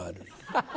ハハハハ。